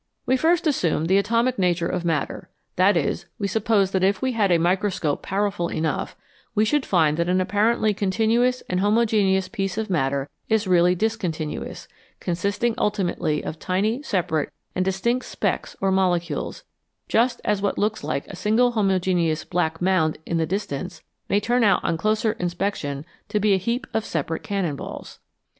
We first assume the atomic nature of matter ; that is, we suppose that if we had a micro scope powerful enough, we should find that an apparently continuous and homogeneous piece of matter is really discontinuous, consisting ultimately of tiny, separate, and distinct specks or molecules, just as what looks like a single homogeneous black mound in the distance may turn out on closer inspection to be a heap of separate cannon balls.